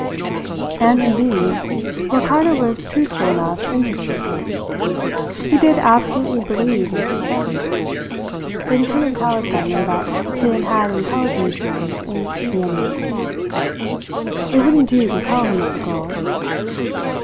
And, indeed, Ricardo was truthful enough in his statement. He did absolutely believe in success now. But he couldn't tell his governor that he had intelligences in the enemy's camp. It wouldn't do to tell him of the girl.